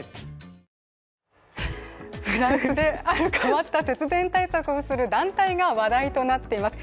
フランスである変わった節電対策をする団体が話題になっています。